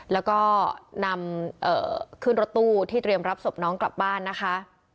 แล้วก็นำขึ้นรถตู้ที่เตรียมรับศพน้องกลับบ้านนะคะ